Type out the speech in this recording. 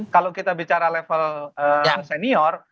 kalau kita bicara level senior